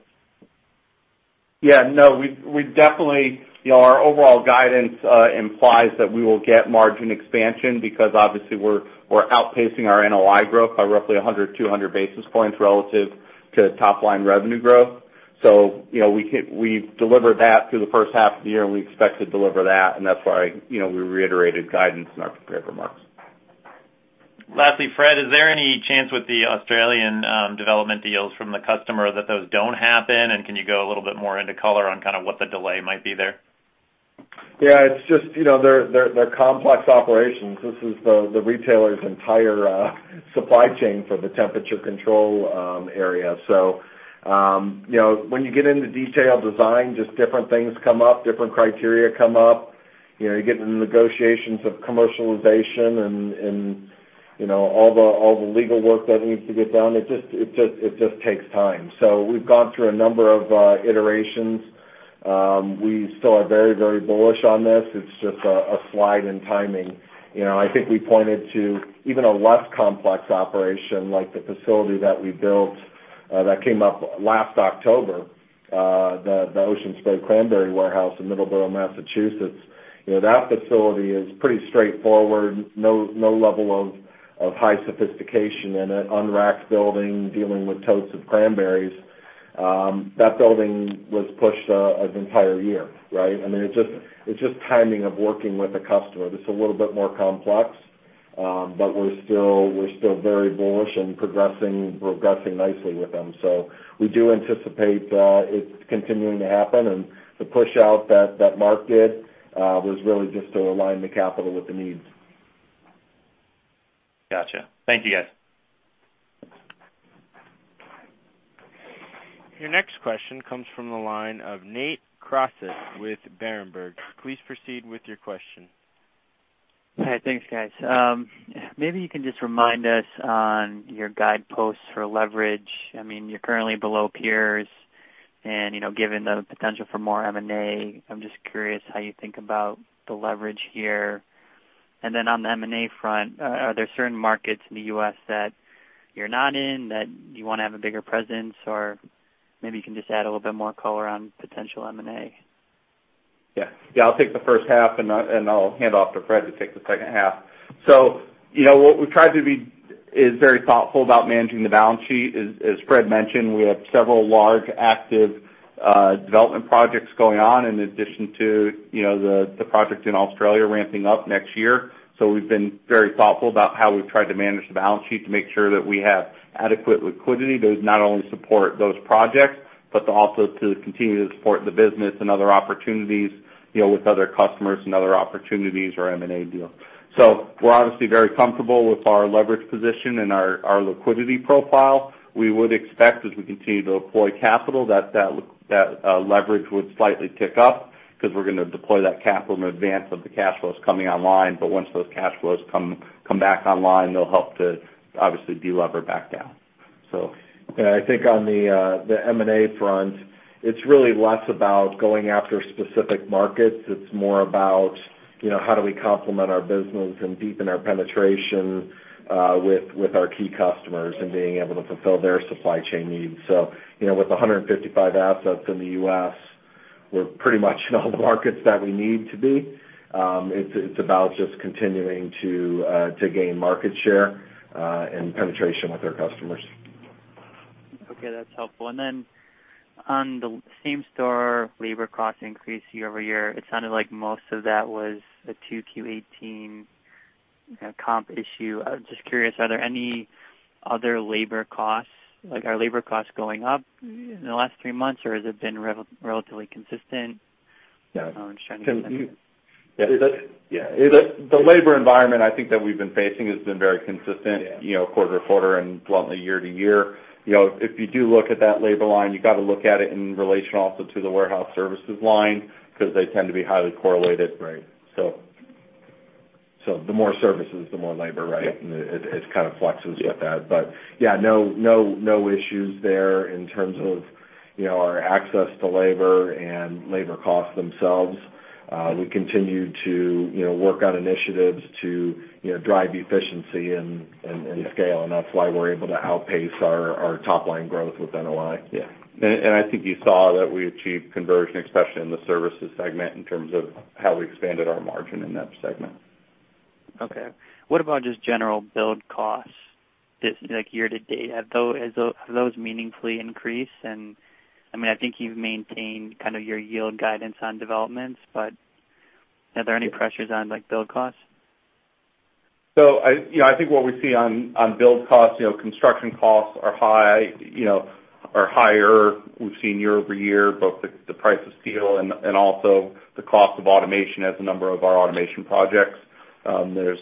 Our overall guidance implies that we will get margin expansion because obviously we're outpacing our NOI growth by roughly 100, 200 basis points relative to top-line revenue growth. We've delivered that through the first half of the year, and we expect to deliver that, and that's why we reiterated guidance in our prepared remarks. Lastly, Fred, is there any chance with the Australian development deals from the customer that those don't happen? Can you go a little bit more into color on kind of what the delay might be there? Yeah. They're complex operations. This is the retailer's entire supply chain for the temperature control area. When you get into detailed design, just different things come up, different criteria come up. You get into negotiations of commercialization and all the legal work that needs to get done. It just takes time. We've gone through a number of iterations. We still are very bullish on this. It's just a slide in timing. I think we pointed to even a less complex operation like the facility that we built that came up last October, the Ocean Spray cranberry warehouse in Middleborough, Massachusetts. That facility is pretty straightforward. No level of high sophistication in an un-racked building dealing with totes of cranberries. That building was pushed an entire year, right? I mean, it's just timing of working with a customer that's a little bit more complex. We're still very bullish and progressing nicely with them. We do anticipate it continuing to happen, and the push-out that Marc did was really just to align the capital with the needs. Got you. Thank you, guys. Your next question comes from the line of Nate Crossett with Berenberg. Please proceed with your question. Hi. Thanks, guys. Maybe you can just remind us on your guideposts for leverage. You're currently below peers and given the potential for more M&A, I'm just curious how you think about the leverage here. On the M&A front, are there certain markets in the U.S. that you're not in that you want to have a bigger presence? Maybe you can just add a little bit more color on potential M&A. Yeah. I'll take the first half, and I'll hand off to Fred to take the second half. What we've tried to be is very thoughtful about managing the balance sheet. As Fred mentioned, we have several large, active development projects going on in addition to the project in Australia ramping up next year. We've been very thoughtful about how we've tried to manage the balance sheet to make sure that we have adequate liquidity that would not only support those projects, but to also to continue to support the business and other opportunities with other customers and other opportunities or M&A deals. We're obviously very comfortable with our leverage position and our liquidity profile. We would expect as we continue to deploy capital that that leverage would slightly tick up because we're going to deploy that capital in advance of the cash flows coming online. Once those cash flows come back online, they'll help to obviously de-lever back down. I think on the M&A front, it's really less about going after specific markets. It's more about how do we complement our business and deepen our penetration with our key customers and being able to fulfill their supply chain needs. With 155 assets in the U.S. We're pretty much in all the markets that we need to be. It's about just continuing to gain market share and penetration with our customers. Okay, that's helpful. On the same-store labor cost increase year-over-year, it sounded like most of that was a 2Q18 comp issue. I was just curious, are there any other labor costs? Like, are labor costs going up in the last three months or has it been relatively consistent? Yeah. I'm just trying to- The labor environment, I think that we've been facing has been very consistent quarter-to-quarter and bluntly year-to-year. If you do look at that labor line, you got to look at it in relation also to the Warehouse Services line because they tend to be highly correlated. Right. The more services, the more labor, right? Yep. It kind of fluxes with that. Yeah, no issues there in terms of our access to labor and labor costs themselves. We continue to work on initiatives to drive efficiency and scale, that's why we're able to outpace our top-line growth with NOI. Yeah. I think you saw that we achieved conversion, especially in the Services segment, in terms of how we expanded our margin in that segment. Okay. What about just general build costs, like year to date? Have those meaningfully increased? I think you've maintained kind of your yield guidance on developments, but are there any pressures on build costs? I think what we see on build costs, construction costs are higher. We've seen year-over-year both the price of steel and also the cost of automation as a number of our automation projects. There's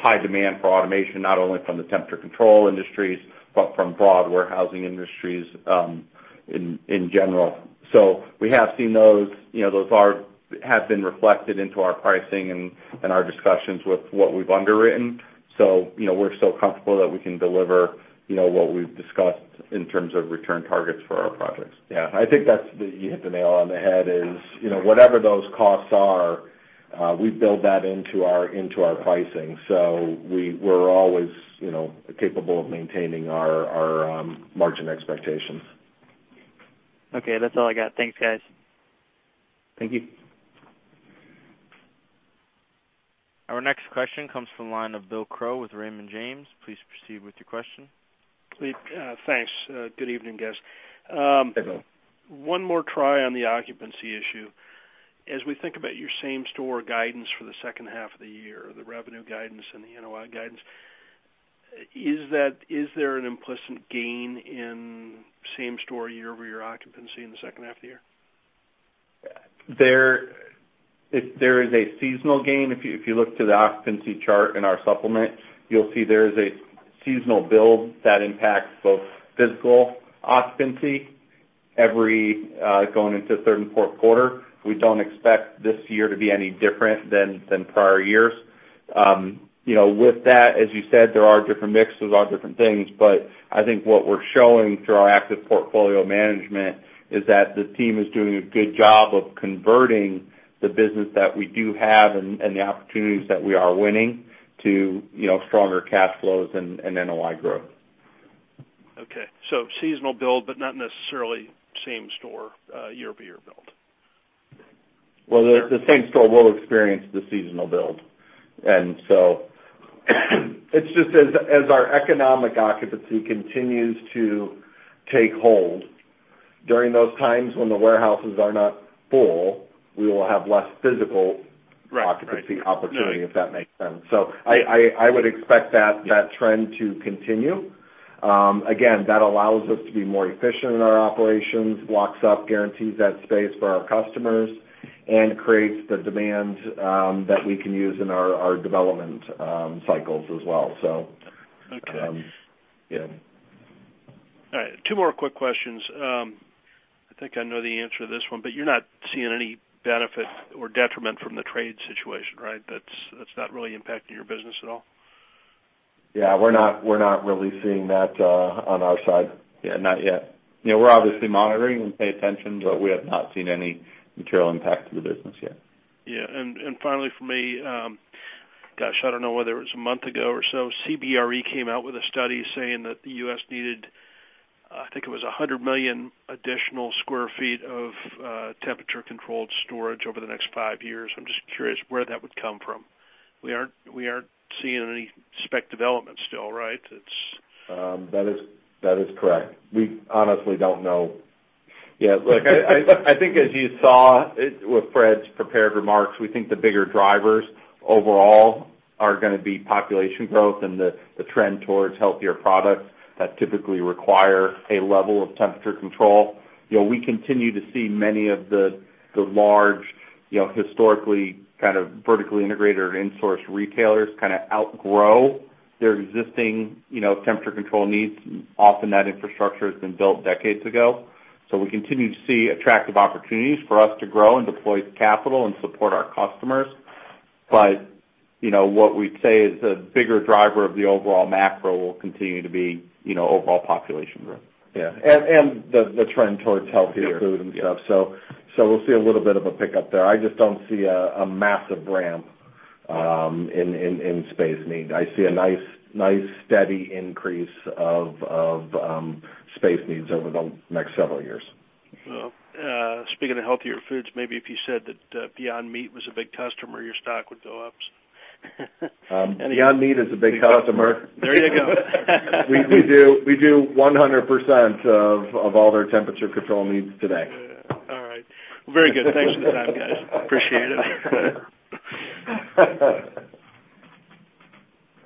high demand for automation, not only from the temperature-controlled industries but from broad warehousing industries in general. We have seen those. Those have been reflected into our pricing and our discussions with what we've underwritten. We're still comfortable that we can deliver what we've discussed in terms of return targets for our projects. Yeah. I think you hit the nail on the head is, whatever those costs are, we build that into our pricing. We're always capable of maintaining our margin expectations. Okay. That's all I got. Thanks, guys. Thank you. Our next question comes from the line of William Crow with Raymond James. Please proceed with your question. Thanks. Good evening, guys. Hey, Bill. One more try on the occupancy issue. As we think about your same-store guidance for the second half of the year, the revenue guidance and the NOI guidance, is there an implicit gain in same-store, year-over-year occupancy in the second half of the year? There is a seasonal gain. If you look to the occupancy chart in our supplement, you'll see there is a seasonal build that impacts both physical occupancy going into third and fourth quarter. We don't expect this year to be any different than prior years. With that, as you said, there are different mixes, lot of different things, I think what we're showing through our active portfolio management is that the team is doing a good job of converting the business that we do have and the opportunities that we are winning to stronger cash flows and NOI growth. Okay. Seasonal build, but not necessarily same-store, year-over-year build. Well, the same store will experience the seasonal build. It's just as our economic occupancy continues to take hold during those times when the warehouses are not full, we will have less physical. Right occupancy opportunity, if that makes sense. I would expect that trend to continue. Again, that allows us to be more efficient in our operations, locks up, guarantees that space for our customers, and creates the demand that we can use in our development cycles as well. Okay. Yeah. All right. Two more quick questions. I think I know the answer to this one, but you're not seeing any benefit or detriment from the trade situation, right? That's not really impacting your business at all. Yeah, we're not really seeing that on our side. Yeah, not yet. We're obviously monitoring and pay attention, but we have not seen any material impact to the business yet. Yeah. Finally from me, gosh, I don't know whether it was a month ago or so, CBRE came out with a study saying that the U.S. needed, I think it was 100 million additional square feet of temperature-controlled storage over the next five years. I'm just curious where that would come from. We aren't seeing any spec development still, right? That is correct. We honestly don't know. Look, I think as you saw with Fred's prepared remarks, we think the bigger drivers overall are going to be population growth and the trend towards healthier products that typically require a level of temperature control. We continue to see many of the large historically kind of vertically integrated or insourced retailers kind of outgrow their existing temperature control needs. Often that infrastructure has been built decades ago. We continue to see attractive opportunities for us to grow and deploy capital and support our customers. What we'd say is a bigger driver of the overall macro will continue to be overall population growth and the trend towards healthier food and stuff. We'll see a little bit of a pickup there. I just don't see a massive ramp. In space need, I see a nice, steady increase of space needs over the next several years. Well, speaking of healthier foods, maybe if you said that Beyond Meat was a big customer, your stock would go up. Beyond Meat is a big customer. There you go. We do 100% of all their temperature control needs today. Yeah. All right. Very good. Thanks for the time, guys. Appreciate it.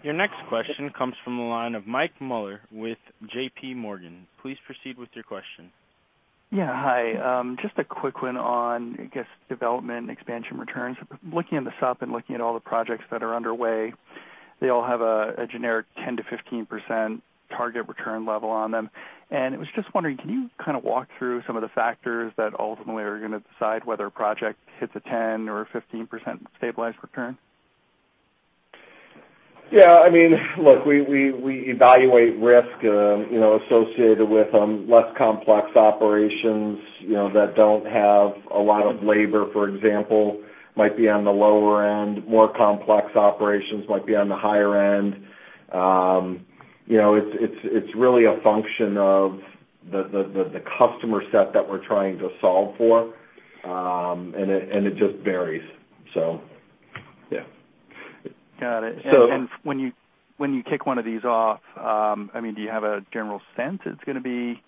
Your next question comes from the line of Michael Mueller with JP Morgan. Please proceed with your question. Yeah. Hi. Just a quick one on, I guess, development and expansion returns. Looking at the sup and looking at all the projects that are underway, they all have a generic 10%-15% target return level on them. I was just wondering, can you kind of walk through some of the factors that ultimately are going to decide whether a project hits a 10% or 15% stabilized return? Yeah. Look, we evaluate risk associated with less complex operations that don't have a lot of labor, for example, might be on the lower end. More complex operations might be on the higher end. It's really a function of the customer set that we're trying to solve for, and it just varies. yeah. Got it. So- When you kick one of these off, do you have a general sense it's going to be a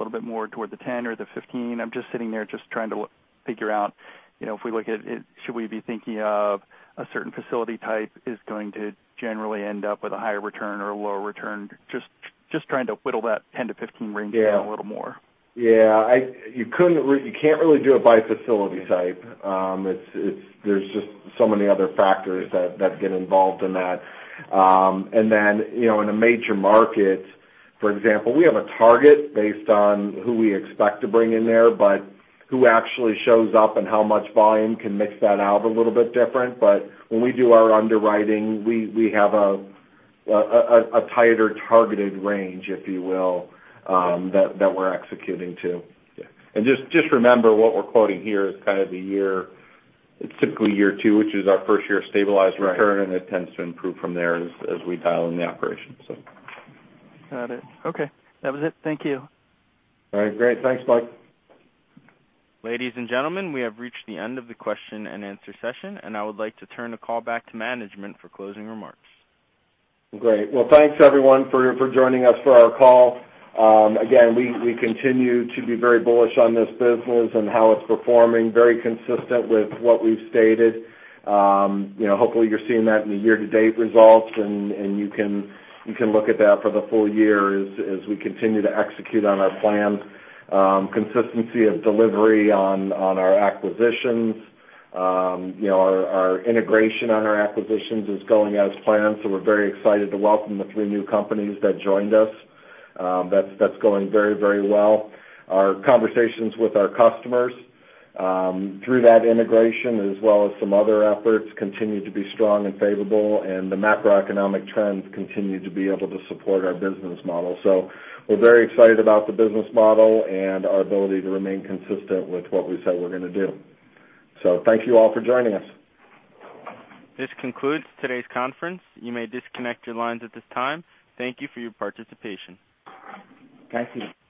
little bit more toward the 10% or the 15%? I'm just sitting here just trying to figure out, if we look at it, should we be thinking of a certain facility type is going to generally end up with a higher return or a lower return? Just trying to whittle that 10%-15% range down a little more. Yeah. You can't really do it by facility type. There's just so many other factors that get involved in that. In a major market, for example, we have a target based on who we expect to bring in there, but who actually shows up and how much volume can mix that out a little bit different. When we do our underwriting, we have a tighter targeted range, if you will, that we're executing to. Yeah. Just remember what we're quoting here. It's typically year 2, which is our first year of stabilized return- Right It tends to improve from there as we dial in the operation. Got it. Okay. That was it. Thank you. All right. Great. Thanks, Mike. Ladies and gentlemen, we have reached the end of the question and answer session, and I would like to turn the call back to management for closing remarks. Great. Well, thanks everyone for joining us for our call. Again, we continue to be very bullish on this business and how it's performing, very consistent with what we've stated. Hopefully, you're seeing that in the year-to-date results, and you can look at that for the full year as we continue to execute on our plan. Consistency of delivery on our acquisitions. Our integration on our acquisitions is going as planned, so we're very excited to welcome the three new companies that joined us. That's going very well. Our conversations with our customers, through that integration as well as some other efforts, continue to be strong and favorable, and the macroeconomic trends continue to be able to support our business model. We're very excited about the business model and our ability to remain consistent with what we said we're going to do. Thank you all for joining us. This concludes today's conference. You may disconnect your lines at this time. Thank you for your participation. Thank you.